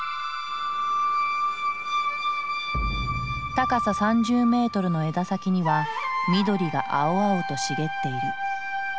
高さ３０メートルの枝先には緑が青々と茂っている。